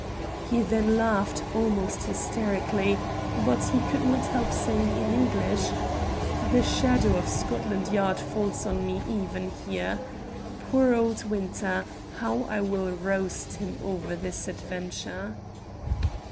Then he laughed, almost hysterically, but he could not help saying in English "The shadow of Scotland Yard falls on me even here. Poor old Winter, how I will roast him over this adventure!"